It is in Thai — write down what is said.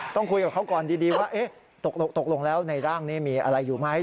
ต้องคุยกับเขาก่อนดีว่าตกลงแล้วในร่างนี้มีอะไรอยู่ไหม